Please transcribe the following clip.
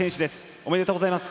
おめでとうございます。